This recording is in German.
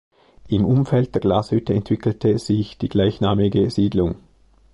Im Umfeld der Glashütte entwickelte sich die gleichnamige Siedlung.